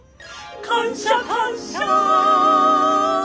感謝感謝